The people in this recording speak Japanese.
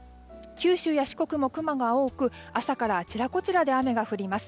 九州や四国も雲が多く朝から、あちらこちらで雨が降ります。